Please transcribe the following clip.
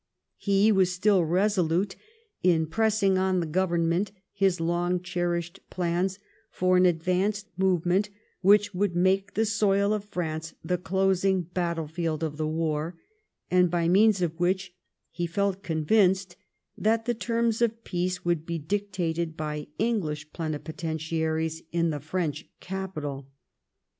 He was still resolute in pressing on the Government his long cherished plans for an advance movement which should make the soil of France the closing battlefield of the war, and by means of which he felt convinced that the terms of peace would be dictated by English plenipotentiaries in the French VOL. II. E 50 THE REIGN OF QUEEN ANNE. ch. xxiii. capital.